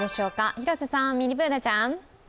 広瀬ちゃん、ミニＢｏｏｎａちゃん。